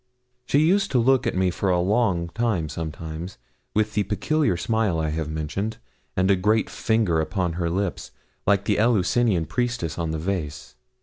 She used to look at me for a long time sometimes, with the peculiar smile I have mentioned, and a great finger upon her lip, like the Eleusinian priestess on the vase.